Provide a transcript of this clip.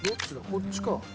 こっちか。